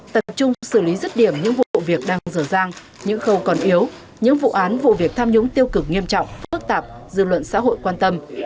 tập trung xử lý rứt điểm những vụ việc đang dở dàng những khâu còn yếu những vụ án vụ việc tham nhũng tiêu cực nghiêm trọng phức tạp dư luận xã hội quan tâm